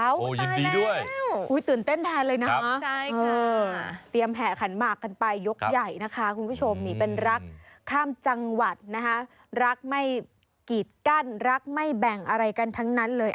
วิ่งแห่ขันบัตรกันไปยกใหญ่นะคะรักไม่กิดกั้นรักไม่แบ่งอะไรกันทั้งนั้นเลย